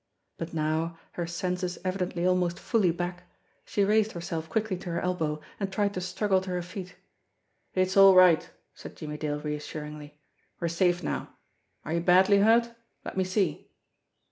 But now, her senses evidently almost fully back, she raised herself quickly to her elbow, and tried to struggle to her feet. "It's all right!" said Jimmie Dale reassuringly. "We're safe now. Are you badly hurt? Let me see."